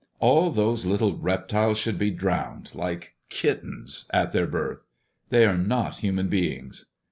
" All those little reptiles should be drowned, like kittens, at their birth. They are not human beings."